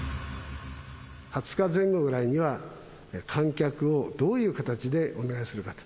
２０日前後ぐらいには、観客をどういう形でお願いするかと。